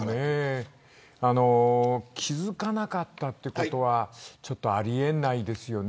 気付かなかったということはあり得ないですよね。